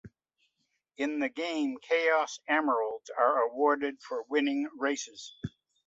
In the game, Chaos Emeralds are awarded for winning races.